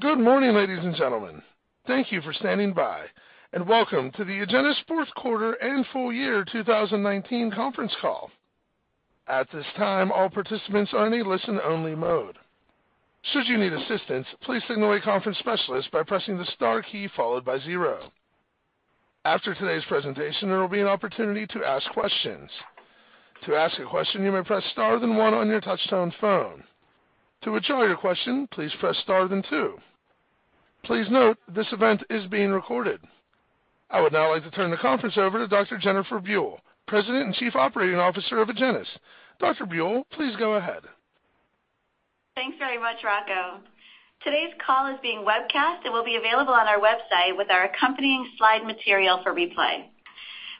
Good morning, ladies and gentlemen. Thank you for standing by, and welcome to the Agenus fourth quarter and full year 2019 conference call. At this time, all participants are in a listen-only mode. Should you need assistance, please signal a conference specialist by pressing the star key followed by zero. After today's presentation, there will be an opportunity to ask questions. To ask a question, you may press star then one on your touch-tone phone. To withdraw your question, please press star then two. Please note, this event is being recorded. I would now like to turn the conference over to Dr. Jennifer Buell, President and Chief Operating Officer of Agenus. Dr. Buell, please go ahead. Thanks very much, Rocco. Today's call is being webcast and will be available on our website with our accompanying slide material for replay.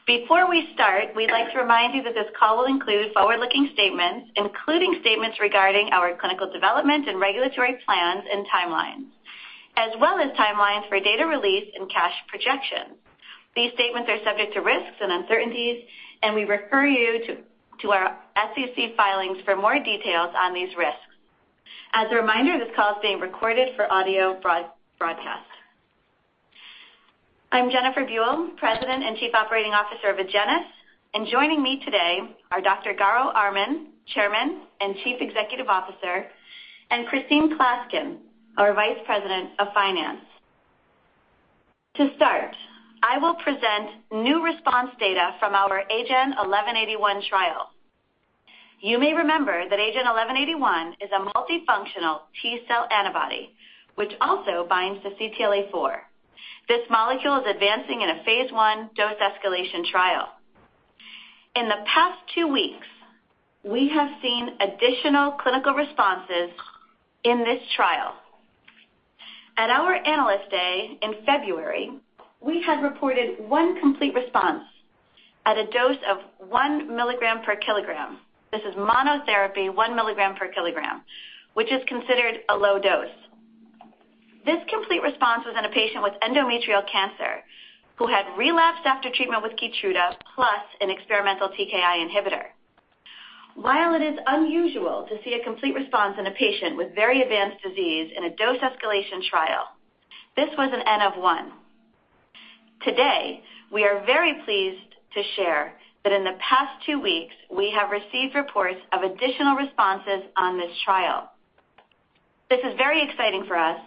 Before we start, we'd like to remind you that this call will include forward-looking statements, including statements regarding our clinical development and regulatory plans and timelines, as well as timelines for data release and cash projections. These statements are subject to risks and uncertainties. We refer you to our SEC filings for more details on these risks. As a reminder, this call is being recorded for audio broadcast. I'm Jennifer Buell, President and Chief Operating Officer of Agenus, and joining me today are Dr. Garo Armen, Chairman and Chief Executive Officer, and Christine Klaskin, our Vice President of Finance. To start, I will present new response data from our AGEN1181 trial. You may remember that AGEN1181 is a multifunctional T cell antibody, which also binds to CTLA-4. This molecule is advancing in a phase I dose escalation trial. In the past two weeks, we have seen additional clinical responses in this trial. At our Analyst Day in February, we had reported one complete response at a dose of 1 mg/kg. This is monotherapy, one milligram per kilogram, which is considered a low dose. This complete response was in a patient with endometrial cancer who had relapsed after treatment with KEYTRUDA, plus an experimental TKI inhibitor. While it is unusual to see a complete response in a patient with very advanced disease in a dose escalation trial, this was an N of 1. Today, we are very pleased to share that in the past two weeks, we have received reports of additional responses on this trial. This is very exciting for us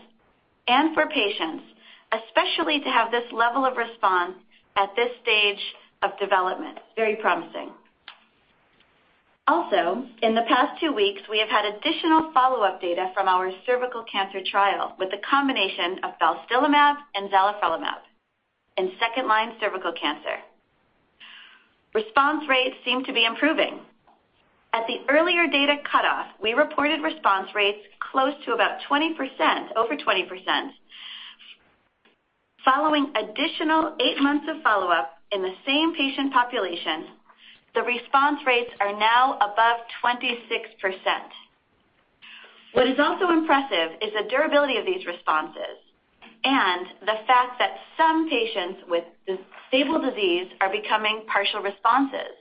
and for patients, especially to have this level of response at this stage of development. Very promising. Also, in the past two weeks, we have had additional follow-up data from our cervical cancer trial with a combination of balstilimab and zalifrelimab in second-line cervical cancer. Response rates seem to be improving. At the earlier data cutoff, we reported response rates close to about 20%, over 20%. Following additional eight months of follow-up in the same patient population, the response rates are now above 26%. What is also impressive is the durability of these responses and the fact that some patients with stable disease are becoming partial responses,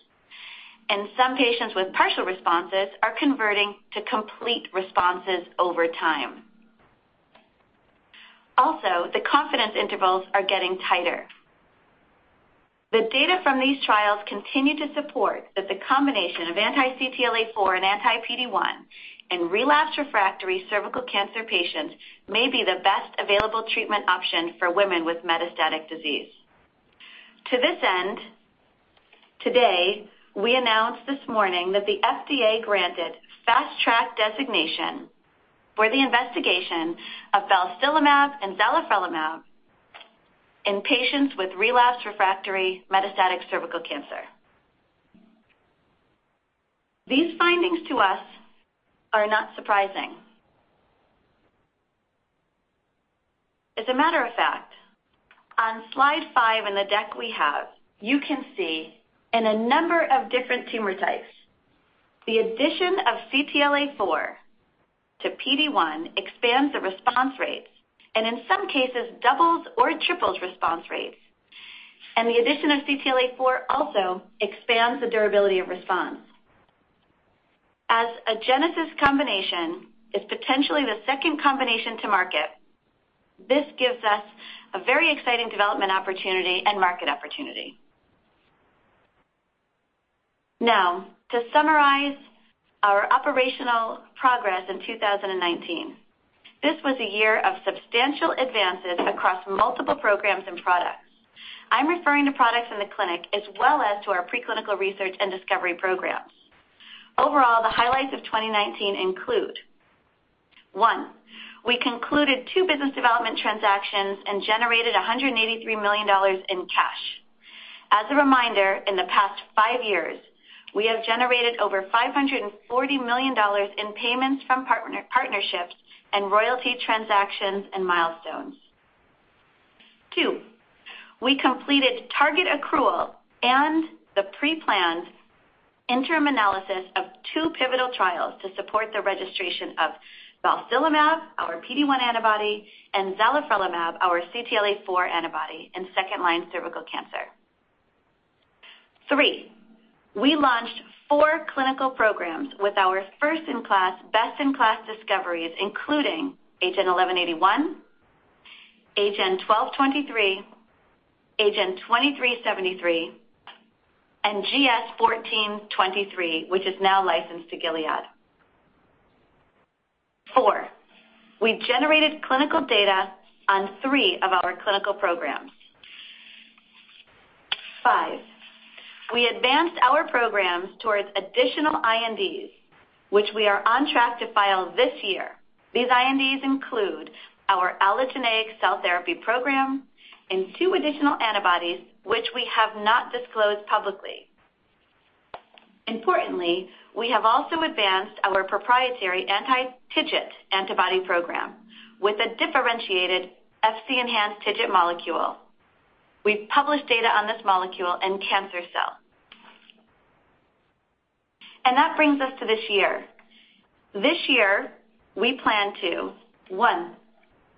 and some patients with partial responses are converting to complete responses over time. Also, the confidence intervals are getting tighter. The data from these trials continue to support that the combination of anti-CTLA-4 and anti-PD-1 in relapsed refractory cervical cancer patients may be the best available treatment option for women with metastatic disease. To this end, today, we announced this morning that the FDA granted Fast Track designation for the investigation of balstilimab and zalifrelimab in patients with relapsed refractory metastatic cervical cancer. These findings to us are not surprising. As a matter of fact, on slide five in the deck we have, you can see in a number of different tumor types, the addition of CTLA-4 to PD-1 expands the response rates, and in some cases, doubles or triples response rates. The addition of CTLA-4 also expands the durability of response. As Agenus' combination is potentially the second combination to market, this gives us a very exciting development opportunity and market opportunity. Now, to summarize our operational progress in 2019. This was a year of substantial advances across multiple programs and products. I'm referring to products in the clinic as well as to our preclinical research and discovery programs. Overall, the highlights of 2019 include, one, we concluded two business development transactions and generated $183 million in cash. As a reminder, in the past five years, we have generated over $540 million in payments from partnerships and royalty transactions and milestones. Two, we completed target accrual and the pre-planned interim analysis of two pivotal trials to support the registration of balstilimab, our PD-1 antibody, and zalifrelimab, our CTLA-4 antibody in second-line cervical cancer. Three, we launched four clinical programs with our first-in-class, best-in-class discoveries, including AGEN1181, AGEN1223, AGEN2373, and GS-1423, which is now licensed to Gilead. Four, we generated clinical data on three of our clinical programs. Five, we advanced our programs towards additional INDs, which we are on track to file this year. These INDs include our allogeneic cell therapy program and two additional antibodies which we have not disclosed publicly. Importantly, we have also advanced our proprietary anti-TIGIT antibody program with a differentiated Fc-enhanced TIGIT molecule. We've published data on this molecule in cancer cell. That brings us to this year. This year, we plan to, one,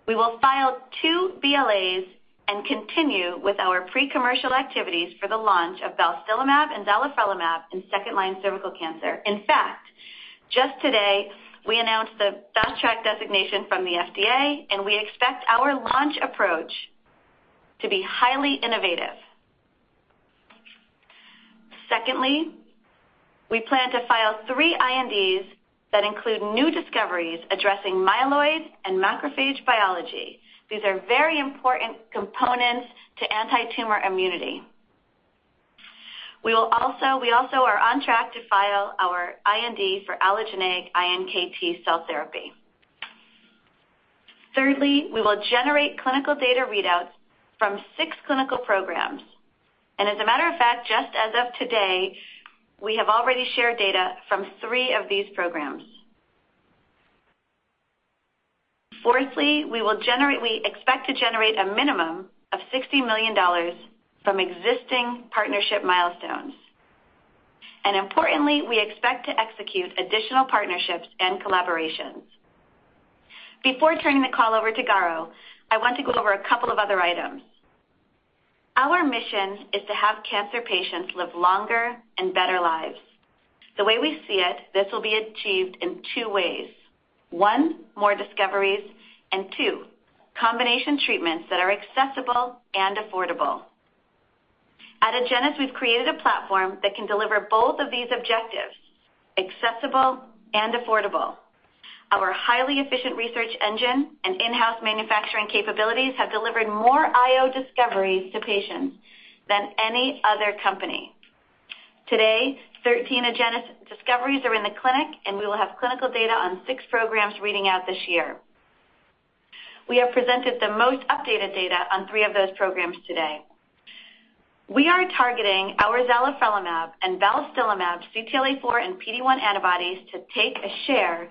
we will file two BLAs and continue with our pre-commercial activities for the launch of balstilimab and zalifrelimab in second line cervical cancer. In fact, just today, we announced the Fast Track designation from the FDA, we expect our launch approach to be highly innovative. Secondly, we plan to file three INDs that include new discoveries addressing myeloid and macrophage biology. These are very important components to anti-tumor immunity. We also are on track to file our IND for allogeneic iNKT cell therapy. Thirdly, we will generate clinical data readouts from six clinical programs. As a matter of fact, just as of today, we have already shared data from three of these programs. Fourthly, we expect to generate a minimum of $60 million from existing partnership milestones. Importantly, we expect to execute additional partnerships and collaborations. Before turning the call over to Garo, I want to go over a couple of other items. Our mission is to have cancer patients live longer and better lives. The way we see it, this will be achieved in two ways. One, more discoveries, and two, combination treatments that are accessible and affordable. At Agenus, we've created a platform that can deliver both of these objectives, accessible and affordable. Our highly efficient research engine and in-house manufacturing capabilities have delivered more IO discoveries to patients than any other company. Today, 13 Agenus discoveries are in the clinic, and we will have clinical data on six programs reading out this year. We have presented the most updated data on three of those programs today. We are targeting our zalifrelimab and balstilimab CTLA-4 and PD-1 antibodies to take a share of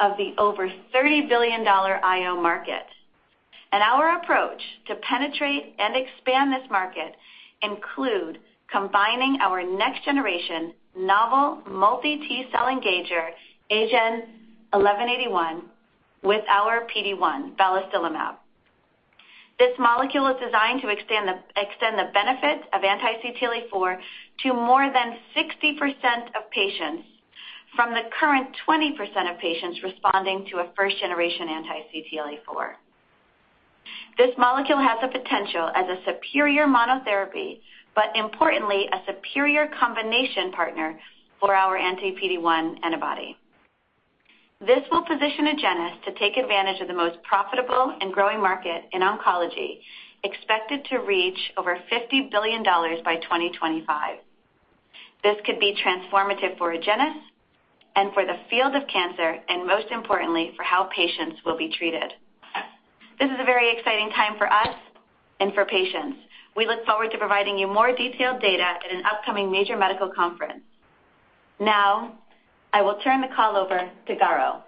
the over $30 billion IO market. Our approach to penetrate and expand this market include combining our next generation novel multi T cell engager, AGEN1181, with our PD-1, balstilimab. This molecule is designed to extend the benefits of anti-CTLA-4 to more than 60% of patients from the current 20% of patients responding to a first generation anti-CTLA-4. This molecule has the potential as a superior monotherapy, but importantly, a superior combination partner for our anti-PD-1 antibody. This will position Agenus to take advantage of the most profitable and growing market in oncology, expected to reach over $50 billion by 2025. This could be transformative for Agenus and for the field of cancer, and most importantly, for how patients will be treated. This is a very exciting time for us and for patients. We look forward to providing you more detailed data at an upcoming major medical conference. I will turn the call over to Garo.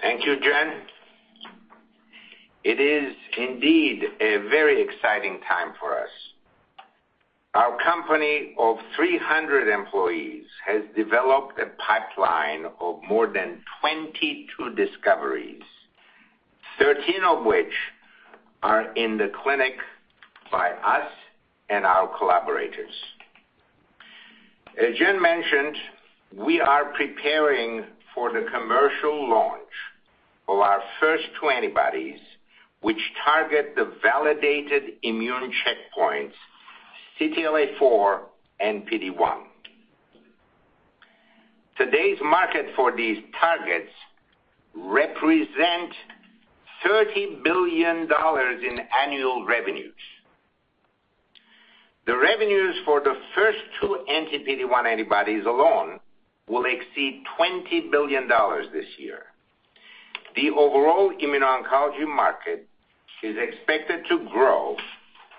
Thank you, Jen. It is indeed a very exciting time for us. Our company of 300 employees has developed a pipeline of more than 22 discoveries, 13 of which are in the clinic by us and our collaborators. As Jen mentioned, we are preparing for the commercial launch of our first two antibodies, which target the validated immune checkpoints, CTLA-4 and PD-1. Today's market for these targets represent $30 billion in annual revenues. The revenues for the first two anti-PD-1 antibodies alone will exceed $20 billion this year. The overall immuno-oncology market is expected to grow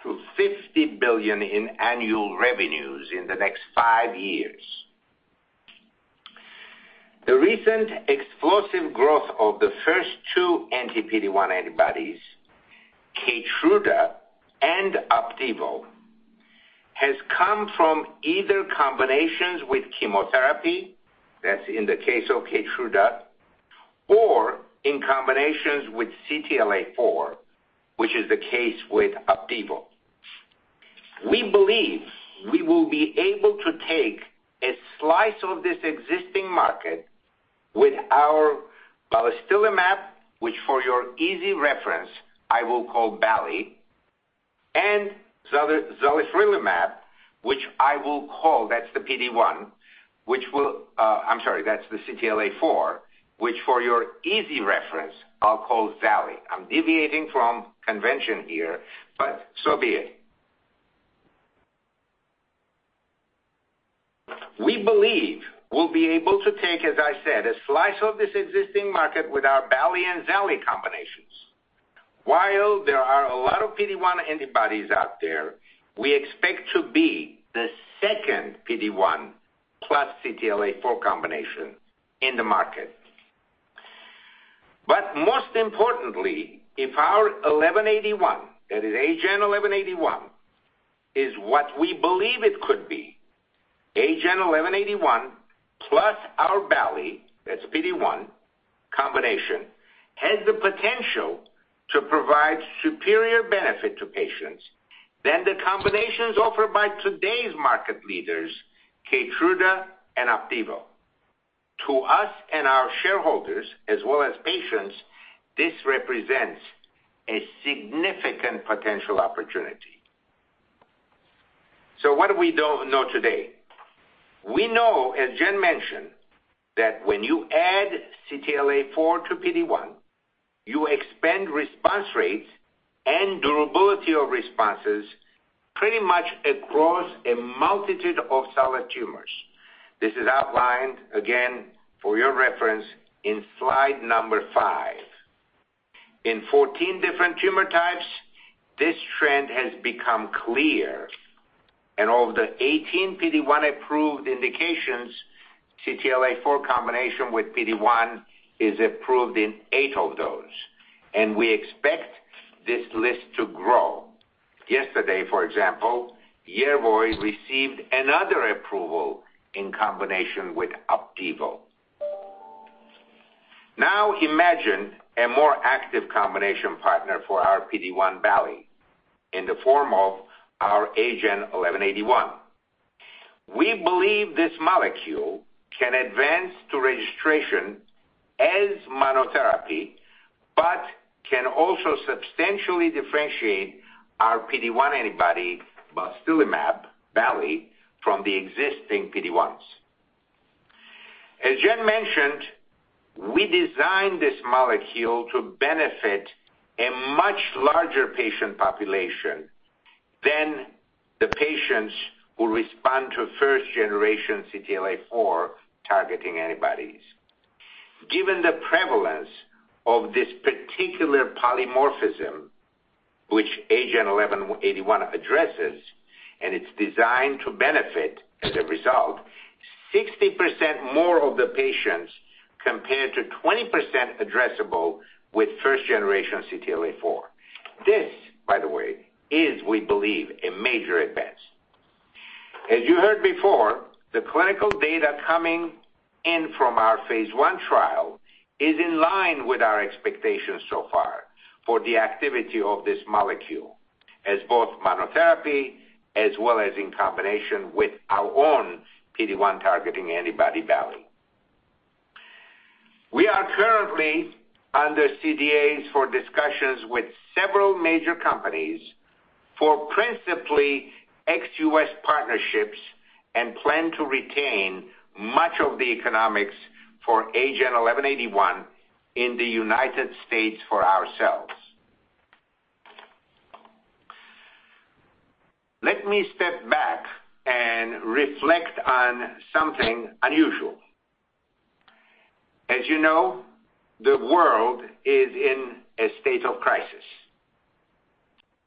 to $50 billion in annual revenues in the next five years. The recent explosive growth of the first two anti-PD-1 antibodies, KEYTRUDA and OPDIVO, has come from either combinations with chemotherapy, that's in the case of KEYTRUDA, or in combinations with CTLA-4, which is the case with OPDIVO. We believe we will be able to take a slice of this existing market with our balstilimab, which for your easy reference, I will call bali, and zalifrelimab, that's the PD-1. I'm sorry, that's the CTLA-4, which for your easy reference, I'll call zali. I'm deviating from convention here, so be it. We believe we'll be able to take, as I said, a slice of this existing market with our bali and zali combinations. While there are a lot of PD-1 antibodies out there, we expect to be the second PD-1 plus CTLA-4 combination in the market. Most importantly, if our 1181, that is AGEN1181, is what we believe it could be, AGEN1181 plus our bali, that's PD-1 combination, has the potential to provide superior benefit to patients than the combinations offered by today's market leaders, KEYTRUDA and OPDIVO. To us and our shareholders, as well as patients, this represents a significant potential opportunity. What do we know today? We know, as Jen mentioned, that when you add CTLA-4 to PD-1, you expand response rates and durability of responses pretty much across a multitude of solid tumors. This is outlined, again, for your reference, in slide number five. In 14 different tumor types, this trend has become clear. Of the 18 PD-1 approved indications, CTLA-4 combination with PD-1 is approved in eight of those, and we expect this list to grow. Yesterday, for example, YERVOY received another approval in combination with OPDIVO. Imagine a more active combination partner for our PD-1 bali in the form of our AGEN1181. We believe this molecule can advance to registration as monotherapy, but can also substantially differentiate our PD-1 antibody, balstilimab, bali, from the existing PD-1s. As Jen mentioned, we designed this molecule to benefit a much larger patient population than the patients who respond to first generation CTLA-4 targeting antibodies. Given the prevalence of this particular polymorphism, which AGEN1181 addresses, and it's designed to benefit as a result, 60% more of the patients compared to 20% addressable with first generation CTLA-4. This, by the way, is we believe, a major advance. As you heard before, the clinical data coming in from our phase I trial is in line with our expectations so far for the activity of this molecule as both monotherapy as well as in combination with our own PD-1 targeting antibody bali. We are currently under CDAs for discussions with several major companies for principally ex-US partnerships and plan to retain much of the economics for AGEN1181 in the United States for ourselves. Let me step back and reflect on something unusual. As you know, the world is in a state of crisis.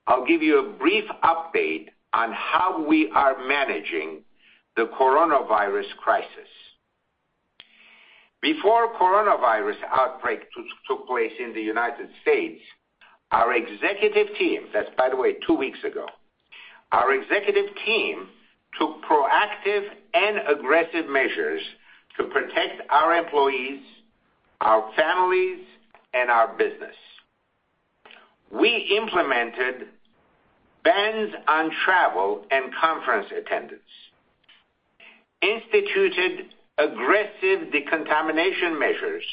I'll give you a brief update on how we are managing the coronavirus crisis. Before coronavirus outbreak took place in the U.S., that's by the way, two weeks ago, our executive team took proactive and aggressive measures to protect our employees, our families, and our business. We implemented bans on travel and conference attendance, instituted aggressive decontamination measures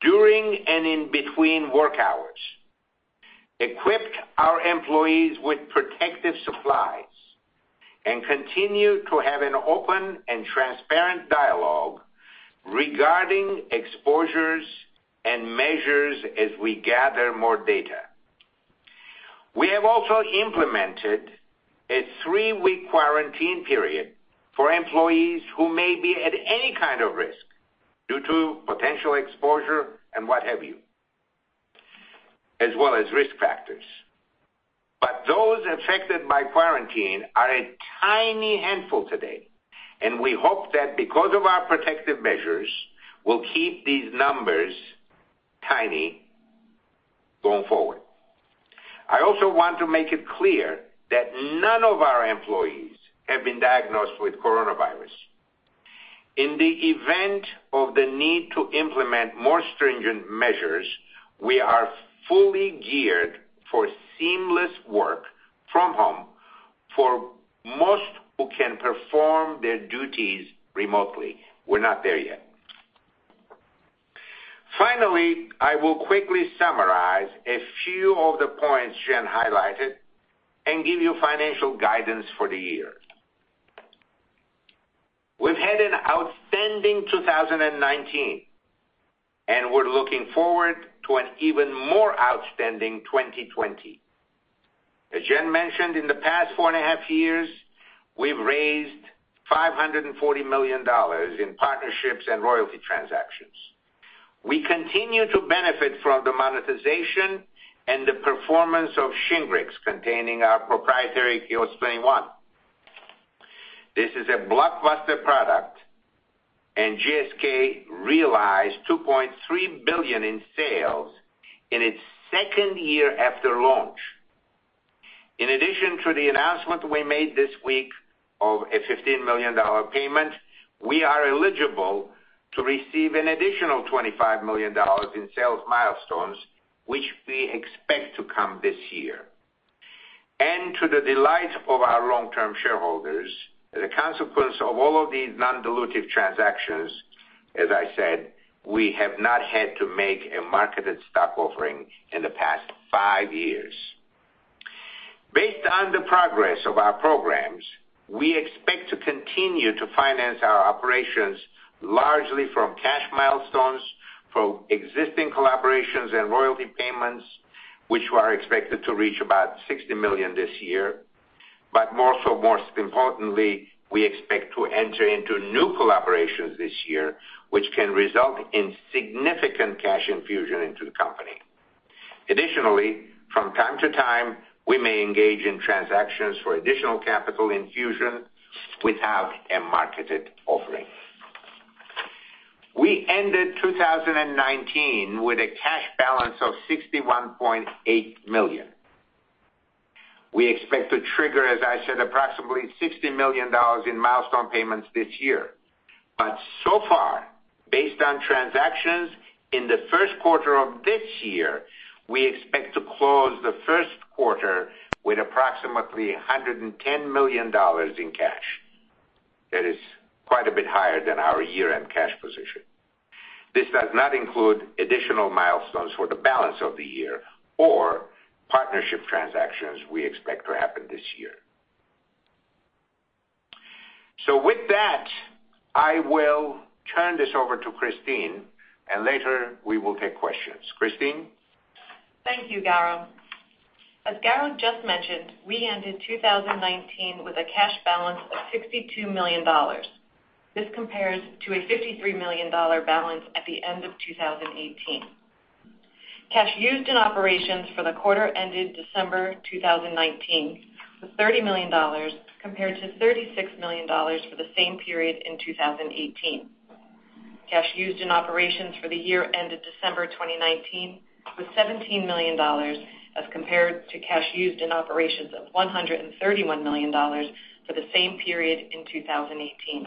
during and in between work hours, equipped our employees with protective supplies, and continued to have an open and transparent dialogue regarding exposures and measures as we gather more data. We have also implemented a three-week quarantine period for employees who may be at any kind of risk due to potential exposure and what have you, as well as risk factors. Those affected by quarantine are a tiny handful today, and we hope that because of our protective measures, we'll keep these numbers tiny going forward. I also want to make it clear that none of our employees have been diagnosed with coronavirus. In the event of the need to implement more stringent measures, we are fully geared for seamless work from home for most who can perform their duties remotely. We're not there yet. Finally, I will quickly summarize a few of the points Jen highlighted and give you financial guidance for the year. We've had an outstanding 2019, and we're looking forward to an even more outstanding 2020. As Jen mentioned, in the past four and a half years, we've raised $540 million in partnerships and royalty transactions. We continue to benefit from the monetization and the performance of Shingrix, containing our proprietary QS-21. This is a blockbuster product. GSK realized $2.3 billion in sales in its second year after launch. In addition to the announcement we made this week of a $15 million payment, we are eligible to receive an additional $25 million in sales milestones, which we expect to come this year. To the delight of our long-term shareholders, the consequence of all of these non-dilutive transactions, as I said, we have not had to make a marketed stock offering in the past five years. Based on the progress of our programs, we expect to continue to finance our operations largely from cash milestones, from existing collaborations and royalty payments, which are expected to reach about $60 million this year. More so, most importantly, we expect to enter into new collaborations this year, which can result in significant cash infusion into the company. Additionally, from time to time, we may engage in transactions for additional capital infusion without a marketed offering. We ended 2019 with a cash balance of $61.8 million. We expect to trigger, as I said, approximately $60 million in milestone payments this year. So far, based on transactions in the first quarter of this year, we expect to close the first quarter with approximately $110 million in cash. That is quite a bit higher than our year-end cash position. This does not include additional milestones for the balance of the year or partnership transactions we expect to happen this year. With that, I will turn this over to Christine, and later, we will take questions. Christine? Thank you, Garo. As Garo just mentioned, we ended 2019 with a cash balance of $62 million. This compares to a $53 million balance at the end of 2018. Cash used in operations for the quarter ended December 2019 was $30 million, compared to $36 million for the same period in 2018. Cash used in operations for the year ended December 2019 was $17 million, as compared to cash used in operations of $131 million for the same period in 2018.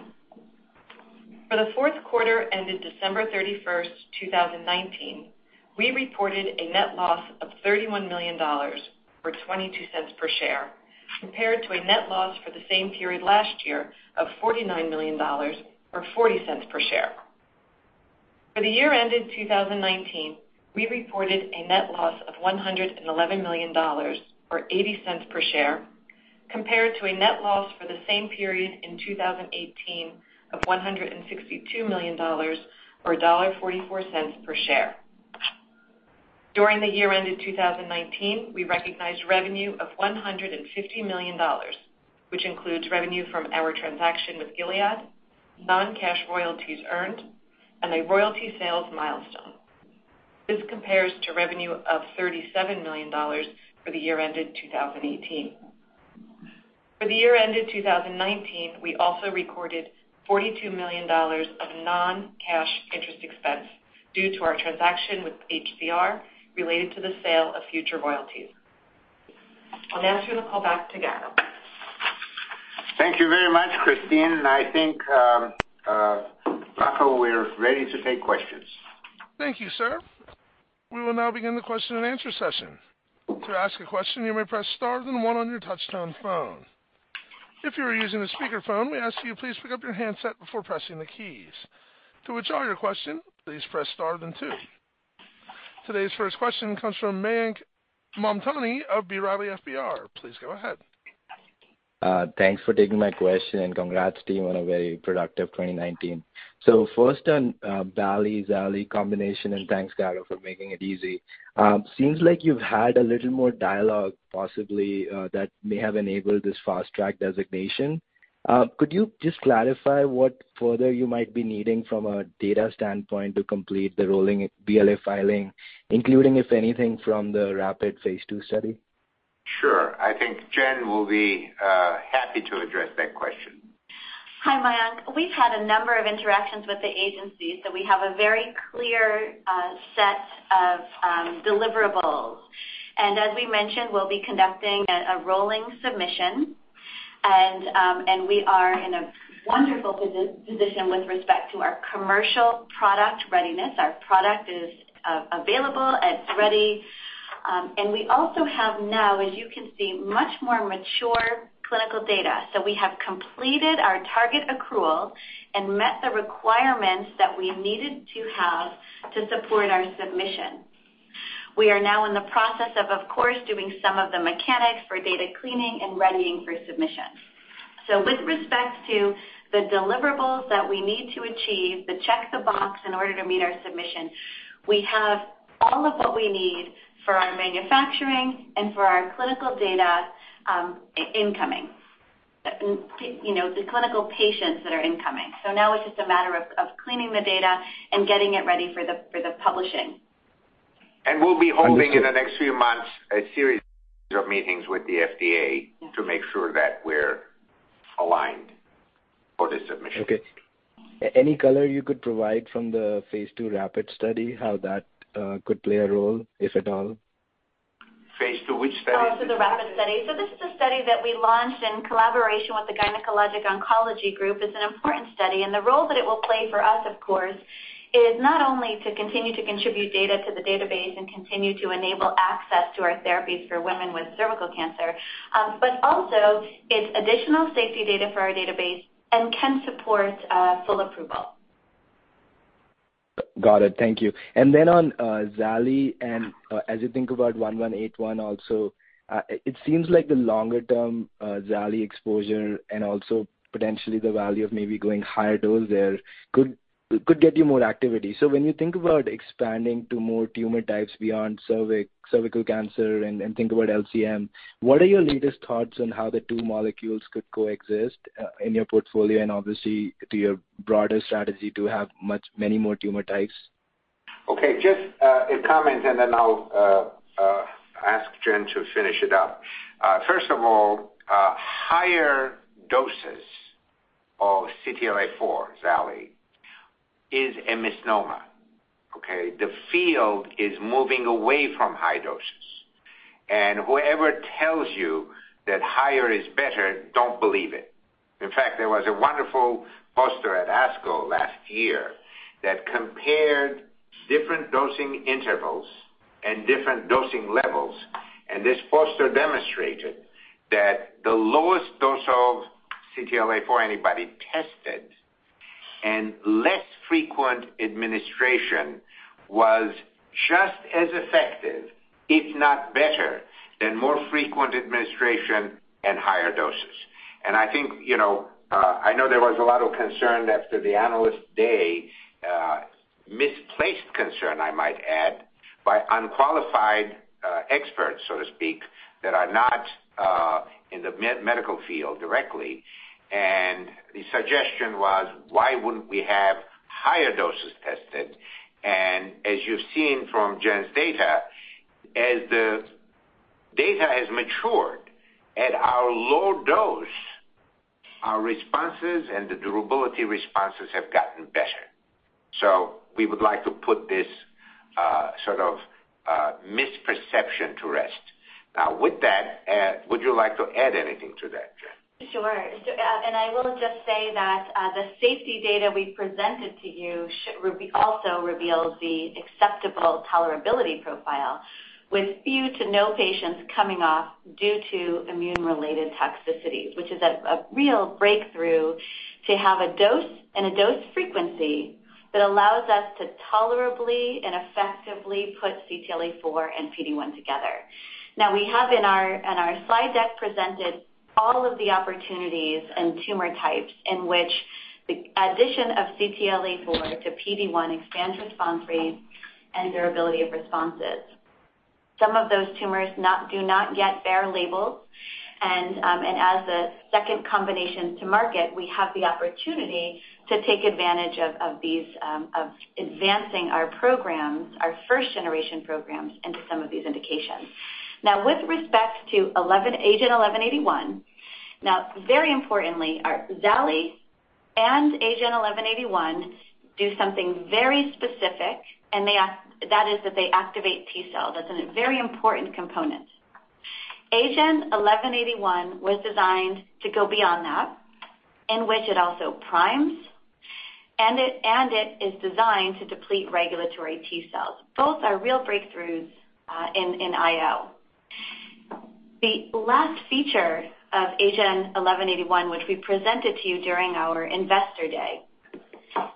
For the fourth quarter ended December 31st, 2019, we reported a net loss of $31 million or $0.22 per share, compared to a net loss for the same period last year of $49 million or $0.40 per share. For the year ended 2019, we reported a net loss of $111 million or $0.80 per share, compared to a net loss for the same period in 2018 of $162 million or $1.44 per share. During the year ended 2019, we recognized revenue of $150 million, which includes revenue from our transaction with Gilead, non-cash royalties earned, and a royalty sales milestone. This compares to revenue of $37 million for the year ended 2018. For the year ended 2019, we also recorded $42 million of non-cash interest expense due to our transaction with HCR related to the sale of future royalties. I'll now turn the call back to Garo. Thank you very much, Christine. I think, Rocco, we're ready to take questions. Thank you, sir. We will now begin the question-and-answer session. To ask a question, you may press star then one on your touchtone phone. If you are using a speakerphone, we ask you please pick up your handset before pressing the keys. To withdraw your question, please press star then two. Today's first question comes from Mayank Mamtani of B. Riley FBR. Please go ahead. Thanks for taking my question. Congrats to you on a very productive 2019. First on bali/zali combination. Thanks, Garo, for making it easy. Seems like you've had a little more dialogue, possibly, that may have enabled this Fast Track designation. Could you just clarify what further you might be needing from a data standpoint to complete the rolling BLA filing, including, if anything, from the RaPiDS phase II study? Sure. I think Jen will be happy to address that question. Hi, Mayank. We've had a number of interactions with the agencies, so we have a very clear set of deliverables. As we mentioned, we'll be conducting a rolling submission and we are in a wonderful position with respect to our commercial product readiness. Our product is available, it's ready. We also have now, as you can see, much more mature clinical data. We have completed our target accrual and met the requirements that we needed to have to support our submission. We are now in the process of course, doing some of the mechanics for data cleaning and readying for submission. With respect to the deliverables that we need to achieve, the check the box in order to meet our submission, we have all of what we need for our manufacturing and for our clinical data incoming. The clinical patients that are incoming. Now it's just a matter of cleaning the data and getting it ready for the publishing. We'll be holding in the next few months, a series of meetings with the FDA to make sure that we're aligned for the submission. Okay. Any color you could provide from the phase II RaPiDS study, how that could play a role, if at all? phase II, which study? The RaPiDS study. This is a study that we launched in collaboration with the Gynecologic Oncology Group. It's an important study, and the role that it will play for us, of course, is not only to continue to contribute data to the database and continue to enable access to our therapies for women with cervical cancer. Also its additional safety data for our database and can support full approval. Got it. Thank you. On zali, and as you think about 1181 also, it seems like the longer-term zali exposure and also potentially the value of maybe going higher dose there could get you more activity. When you think about expanding to more tumor types beyond cervical cancer and think about LCM, what are your latest thoughts on how the two molecules could coexist in your portfolio and obviously to your broader strategy to have many more tumor types? Okay. Just a comment and then I'll ask Jen to finish it up. First of all, higher doses of CTLA-4, zali is a misnomer. Okay. The field is moving away from high doses. Whoever tells you that higher is better, don't believe it. In fact, there was a wonderful poster at ASCO last year that compared different dosing intervals and different dosing levels, and this poster demonstrated that the lowest dose of CTLA-4 anybody tested and less frequent administration was just as effective, if not better, than more frequent administration and higher doses. I know there was a lot of concern after the Analyst Day, misplaced concern, I might add, by unqualified experts, so to speak, that are not in the medical field directly. The suggestion was, why wouldn't we have higher doses tested? As you've seen from Jen's data, as the data has matured at our low dose, our responses and the durability responses have gotten better. We would like to put this sort of misperception to rest. With that, would you like to add anything to that, Jen? I will just say that the safety data we presented to you also reveals the acceptable tolerability profile with few to no patients coming off due to immune-related toxicity, which is a real breakthrough to have a dose and a dose frequency that allows us to tolerably and effectively put CTLA-4 and PD-1 together. We have in our slide deck presented all of the opportunities and tumor types in which the addition of CTLA-4 to PD-1 expands response rates and durability of responses. Some of those tumors do not yet bear labels, and as a second combination to market, we have the opportunity to take advantage of advancing our programs, our first-generation programs, into some of these indications. With respect to AGEN1181, very importantly, our zali and AGEN1181 do something very specific, and that is that they activate T cell. That's a very important component. AGEN1181 was designed to go beyond that, in which it also primes, and it is designed to deplete regulatory T cells. Both are real breakthroughs in IO. The last feature of AGEN1181, which we presented to you during our Investor Day,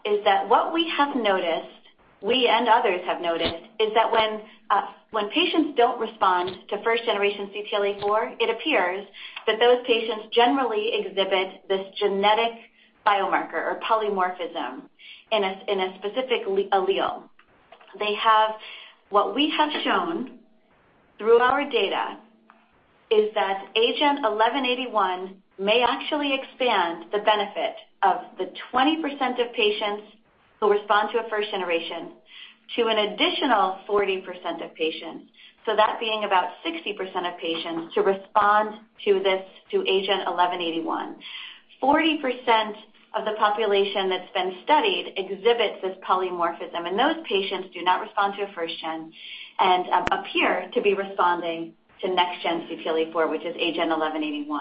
is that what we have noticed, we and others have noticed, is that when patients don't respond to first generation CTLA-4, it appears that those patients generally exhibit this genetic biomarker or polymorphism in a specific allele. What we have shown through our data is that AGEN1181 may actually expand the benefit of the 20% of patients who respond to a first generation to an additional 40% of patients. That being about 60% of patients who respond to AGEN1181. 40% of the population that's been studied exhibits this polymorphism, and those patients do not respond to a first-gen and appear to be responding to next gen CTLA-4, which is AGEN1181.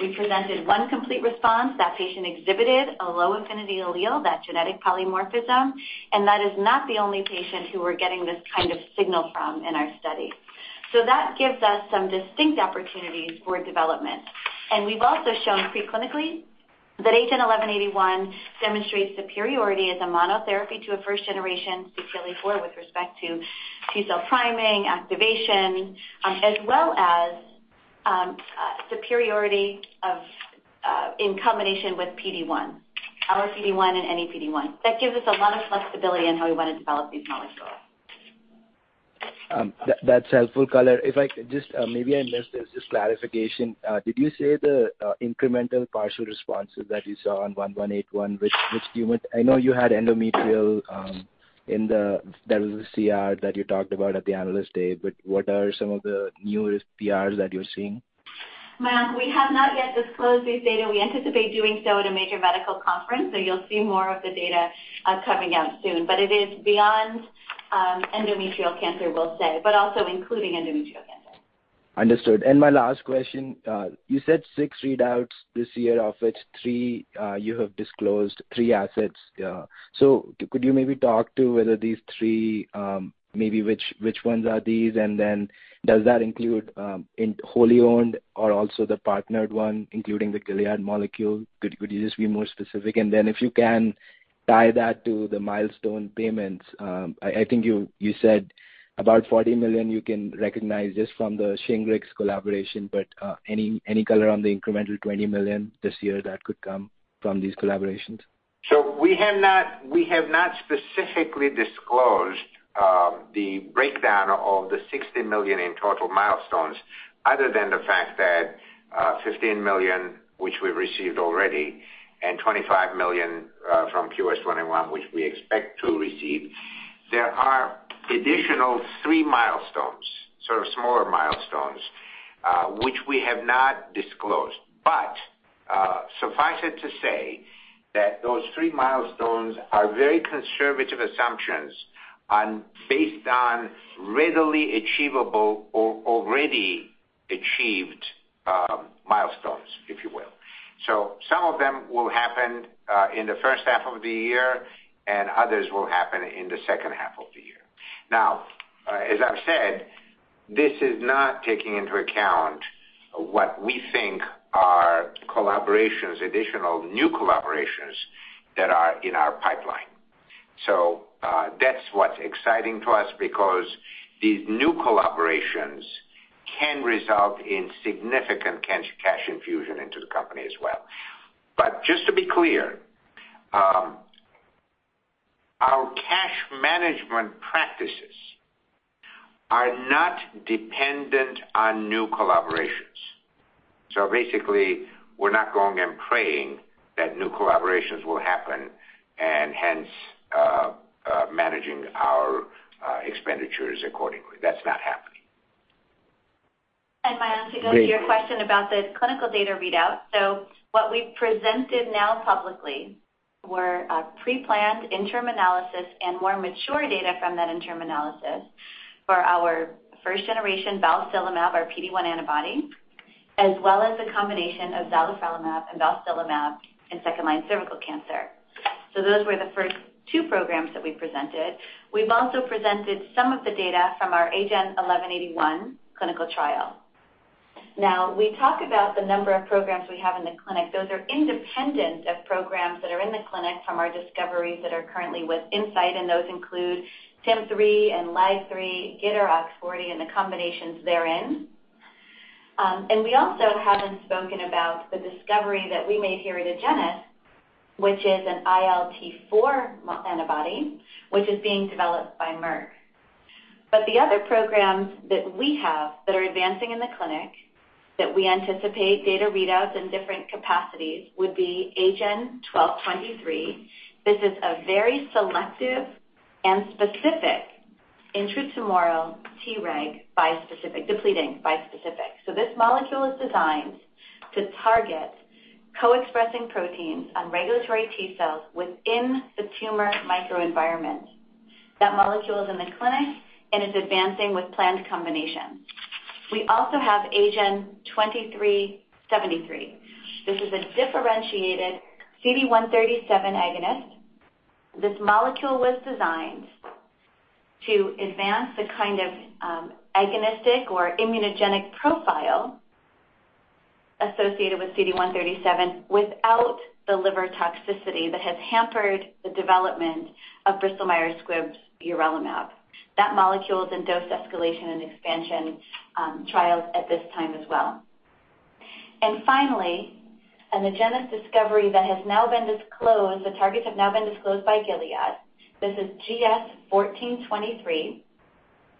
We presented one complete response. That patient exhibited a low affinity allele, that genetic polymorphism, and that is not the only patient who we're getting this kind of signal from in our study. That gives us some distinct opportunities for development. We've also shown pre-clinically that AGEN1181 demonstrates superiority as a monotherapy to a first-generation CTLA-4 with respect to T cell priming, activation, as well as superiority in combination with PD-1, our PD-1 and any PD-1. That gives us a lot of flexibility in how we want to develop these molecules. That's helpful, Garo. If I could, maybe I missed this, just clarification. Did you say the incremental partial responses that you saw on 1181, I know you had endometrial in the CR that you talked about at the Analyst Day, but what are some of the newest CRs that you're seeing? Mayank, we have not yet disclosed these data. We anticipate doing so at a major medical conference, so you'll see more of the data coming out soon. It is beyond endometrial cancer, we'll say, but also including endometrial cancer. Understood. My last question, you said six readouts this year, of which you have disclosed three assets. Could you maybe talk to whether these three, maybe which ones are these? Does that include wholly owned or also the partnered one, including the Gilead molecule? Could you just be more specific? If you can tie that to the milestone payments, I think you said about $40 million you can recognize just from the Shingrix collaboration, but any color on the incremental $20 million this year that could come from these collaborations? We have not specifically disclosed the breakdown of the $60 million in total milestones other than the fact that $15 million, which we've received already, and $25 million from QS-21, which we expect to receive. There are additional three milestones, sort of smaller milestones, which we have not disclosed. Suffice it to say that those three milestones are very conservative assumptions based on readily achievable or already achieved milestones, if you will. Some of them will happen in the first half of the year, and others will happen in the second half of the year. As I've said, this is not taking into account what we think are collaborations, additional new collaborations that are in our pipeline. That's what's exciting to us, because these new collaborations can result in significant cash infusion into the company as well. Just to be clear, our cash management practices are not dependent on new collaborations. Basically, we're not going and praying that new collaborations will happen and hence managing our expenditures accordingly. That's not happening. Mayank, to go to your question about the clinical data readout. What we've presented now publicly were pre-planned interim analysis and more mature data from that interim analysis for our first-generation balstilimab, our PD-1 antibody, as well as a combination of zalifrelimab and balstilimab in second-line cervical cancer. Those were the first two programs that we presented. We've also presented some of the data from our AGEN1181 clinical trial. We talk about the number of programs we have in the clinic. Those are independent of programs that are in the clinic from our discoveries that are currently with Incyte, and those include TIM-3 and LAG-3, GITR/OX40 and the combinations therein. We also haven't spoken about the discovery that we made here at Agenus, which is an ILT4 antibody, which is being developed by Merck. The other programs that we have that are advancing in the clinic that we anticipate data readouts in different capacities would be AGEN1223. This is a very selective and specific intratumoral Treg depleting bispecific. This molecule is designed to target co-expressing proteins on regulatory T cells within the tumor microenvironment. That molecule is in the clinic and is advancing with planned combination. We also have AGEN2373. This is a differentiated CD137 agonist. This molecule was designed to advance the kind of agonistic or immunogenic profile associated with CD137 without the liver toxicity that has hampered the development of Bristol Myers Squibb's urelumab. That molecule is in dose escalation and expansion trials at this time as well. Finally, an Agenus discovery that has now been disclosed, the targets have now been disclosed by Gilead. This is GS-1423,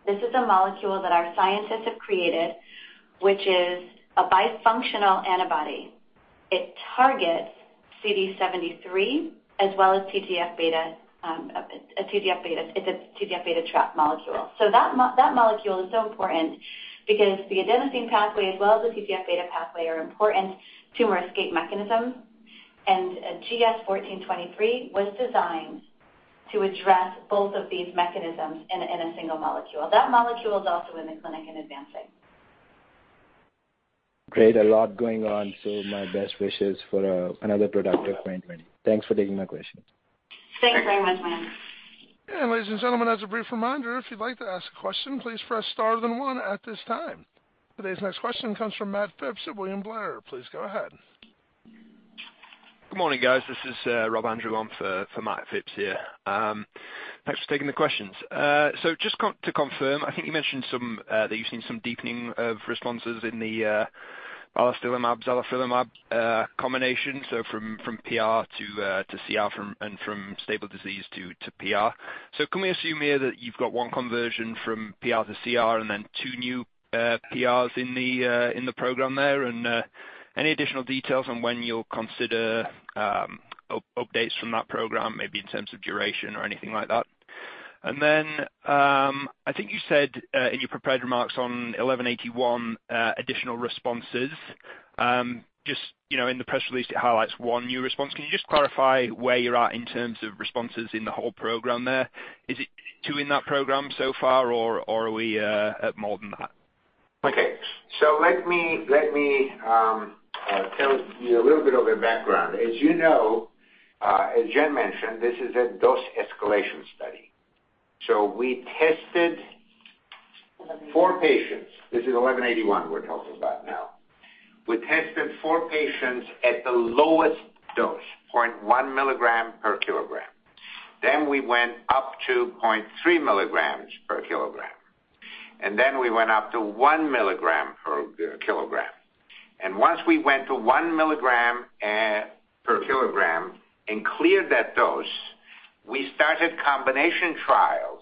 a molecule that our scientists have created, which is a bi-functional antibody. It targets CD73 as well as TGF-beta, it's a TGF-beta trap molecule. That molecule is so important because the adenosine pathway, as well as the TGF-beta pathway, are important tumor escape mechanisms, and GS-1423 was designed to address both of these mechanisms in a single molecule. That molecule is also in the clinic and advancing. Great. A lot going on. My best wishes for another productive 2020. Thanks for taking my question. Thanks very much, Mayank. Ladies and gentlemen, as a brief reminder, if you'd like to ask a question, please press star then one at this time. Today's next question comes from Matt Phipps at William Blair. Please go ahead. Good morning, guys. This is Rob Andrew on for Matt Phipps here. Thanks for taking the questions. Just to confirm, I think you mentioned that you've seen some deepening of responses in the balstilimab-zalifrelimab combination, so from PR to CR and from stable disease to PR. Can we assume here that you've got one conversion from PR to CR and then two new PRs in the program there? Any additional details on when you'll consider updates from that program, maybe in terms of duration or anything like that? I think you said in your prepared remarks on 1181 additional responses. Just in the press release, it highlights one new response. Can you just clarify where you're at in terms of responses in the whole program there? Is it two in that program so far or are we at more than that? Okay, let me tell you a little bit of a background. As you know, as Jen mentioned, this is a dose escalation study. We tested four patients. This is AGEN1181 we're talking about now. We tested four patients at the lowest dose, 0.1 mg/kg. We went up to 0.3 mg/kg, we went up to 1 mg/kg. Once we went to 1 mg/kg and cleared that dose, we started combination trials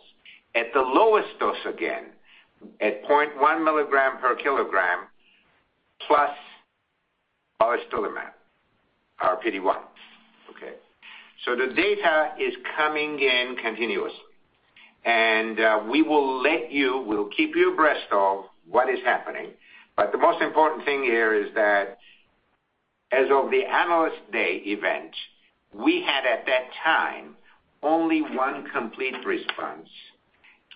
at the lowest dose again, at 0.1 mg/kg plus balstilimab, our PD-1. The data is coming in continuously, and we will keep you abreast of what is happening. The most important thing here is that as of the Analyst Day event, we had at that time, only one complete response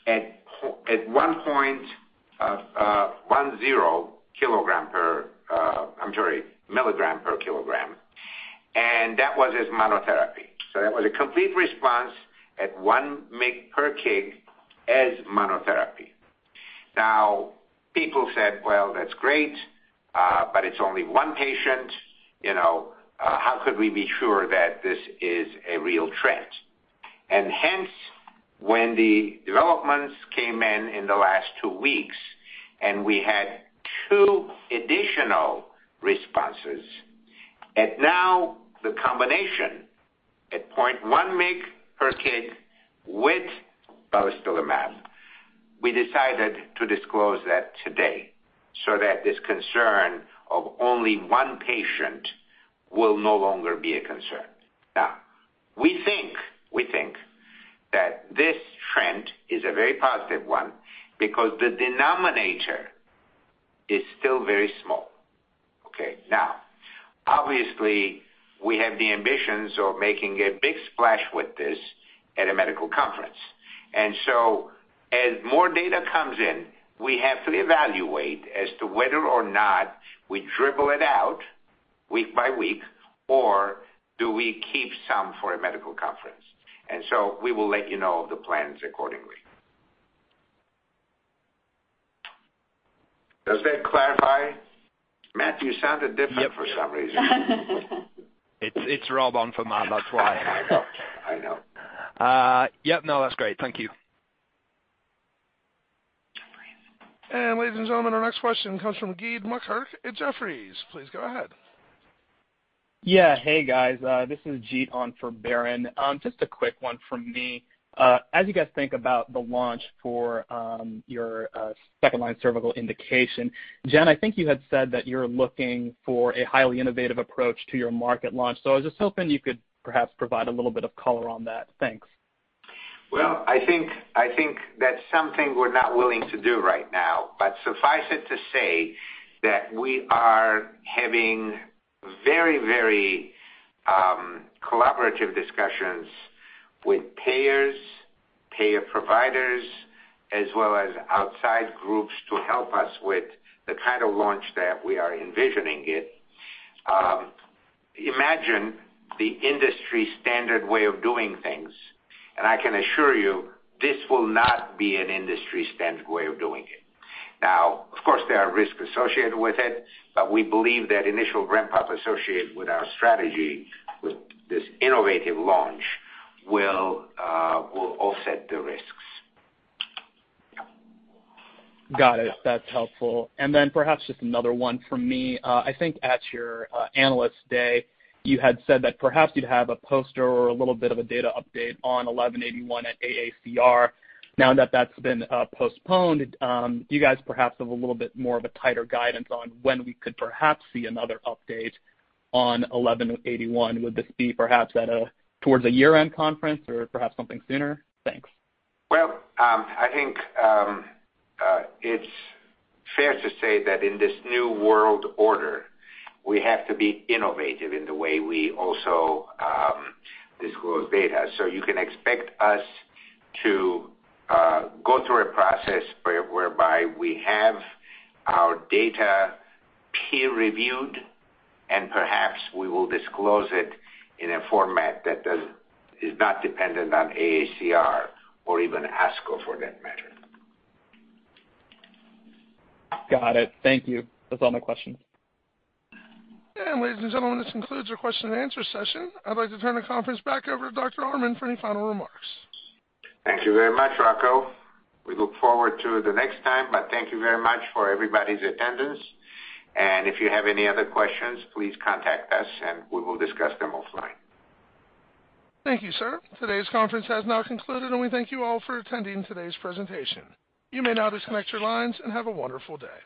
at 1.10 mg/kg. That was as monotherapy. That was a complete response at 1 mg/kg as monotherapy. People said, "Well, that's great, but it's only one patient. How could we be sure that this is a real trend?" Hence, when the developments came in in the last two weeks and we had two additional responses at now the combination at 0.1 mg/kg with balstilimab, we decided to disclose that today so that this concern of only one patient will no longer be a concern. We think that this trend is a very positive one because the denominator is still very small. Okay? Obviously, we have the ambitions of making a big splash with this at a medical conference. As more data comes in, we have to evaluate as to whether or not we dribble it out week by week, or do we keep some for a medical conference. We will let you know of the plans accordingly. Does that clarify? Matt, you sounded different for some reason. Yep. It's Rob on for Matt, that's why. I know. Yep, no, that's great. Thank you. Ladies and gentlemen, our next question comes from Jeet Mukherjee at Jefferies. Please go ahead. Yeah. Hey, guys. This is Jeet on for Biren. Just a quick one from me. As you guys think about the launch for your second-line cervical indication, Jen, I think you had said that you're looking for a highly innovative approach to your market launch. I was just hoping you could perhaps provide a little bit of color on that. Thanks. Well, I think that's something we're not willing to do right now. Suffice it to say that we are having very collaborative discussions with payers, payer providers, as well as outside groups to help us with the kind of launch that we are envisioning it. Imagine the industry-standard way of doing things, and I can assure you this will not be an industry-standard way of doing it. Of course, there are risks associated with it, but we believe that initial ramp-up associated with our strategy with this innovative launch will offset the risks. Got it. That's helpful. Then perhaps just another one from me. I think at your Analyst Day, you had said that perhaps you'd have a poster or a little bit of a data update on 1181 at AACR. Now that that's been postponed, do you guys perhaps have a little bit more of a tighter guidance on when we could perhaps see another update on 1181? Would this be perhaps towards a year-end conference or perhaps something sooner? Thanks. I think, it's fair to say that in this new world order, we have to be innovative in the way we also disclose data. You can expect us to go through a process whereby we have our data peer-reviewed, and perhaps we will disclose it in a format that is not dependent on AACR or even ASCO for that matter. Got it. Thank you. That's all my questions. Ladies and gentlemen, this concludes our question-and-answer session. I'd like to turn the conference back over to Dr. Armen for any final remarks. Thank you very much, Rocco. We look forward to the next time, but thank you very much for everybody's attendance. If you have any other questions, please contact us and we will discuss them offline. Thank you, sir. Today's conference has now concluded, and we thank you all for attending today's presentation. You may now disconnect your lines and have a wonderful day.